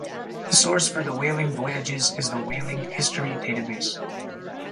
The source for the whaling voyages is the Whaling History database.